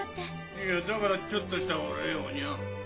いやだからちょっとしたお礼をにゃ。